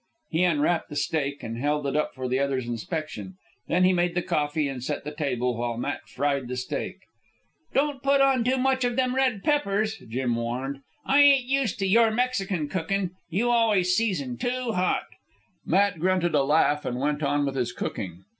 He unwrapped the steak and held it up for the other's inspection. Then he made the coffee and set the table, while Matt fried the steak. "Don't put on too much of them red peppers," Jim warned. "I ain't used to your Mexican cookin'. You always season too hot." Matt grunted a laugh and went on with his cooking.